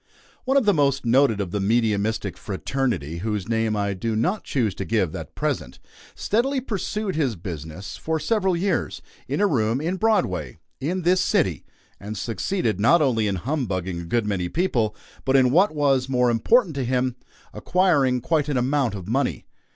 One of the most noted of the mediumistic fraternity whose name I do not choose to give at present steadily pursued his business, for several years, in a room in Broadway, in this city, and succeeded not only in humbugging a good many people, but in what was more important to him acquiring quite an amount of money.